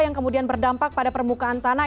yang kemudian berdampak pada permukaan tanah